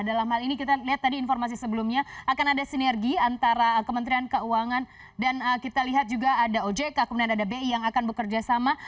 dalam hal ini kita lihat tadi informasi sebelumnya akan ada sinergi antara kementerian keuangan dan kita lihat juga ada ojk kemudian ada bi yang akan bekerja sama